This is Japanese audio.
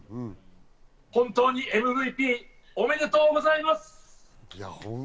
本当にＭＶＰ、おめでとうございます！